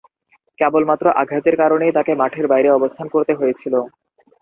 কেবলমাত্র আঘাতের কারণেই তাকে মাঠের বাইরে অবস্থান করতে হয়েছিল।